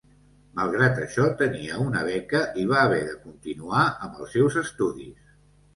Malgrat això, tenia una beca i va haver de continuar amb els seus estudis.